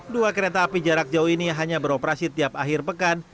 dua kereta api jarak jauh ini hanya beroperasi tiap akhir pekan